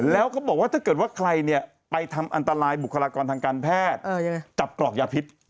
แล้วก็บอกว่าถ้าเกิดว่าใครเนี่ยไปทำอันตรายบุคลากรทางการแพทย์จับกรอกยาพิษ